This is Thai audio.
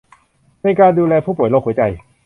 ในการดูแลผู้ป่วยโรคหัวใจ